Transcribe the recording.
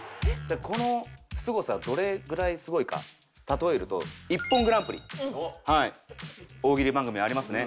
このすごさどれぐらいすごいか例えると『ＩＰＰＯＮグランプリ』大喜利番組ありますね。